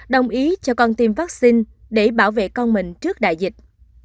đồng ý cho con tiêm vaccine để bảo vệ con mình trước đại dịch